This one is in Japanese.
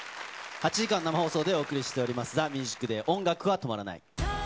８時間生放送でお送りしております、ＴＨＥＭＵＳＩＣＤＡＹ音楽は止まらない。